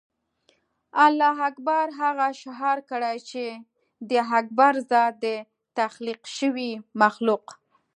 الله اکبر هغه شعار کړي چې د اکبر ذات د تخلیق شوي مخلوق.